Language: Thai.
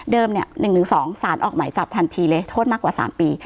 เดิมเนี่ย๑๑๒ศาลออกหมายจับทันทีเลยโทษมากกว่า๓ปี